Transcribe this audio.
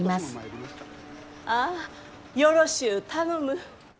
ああよろしゅう頼む。